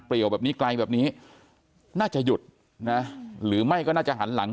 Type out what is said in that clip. แบบนี้ไกลแบบนี้น่าจะหยุดนะหรือไม่ก็น่าจะหันหลัง